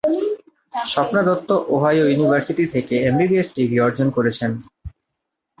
Swapna Dutta Ohio University থেকে MBA degree অর্জন করেছেন।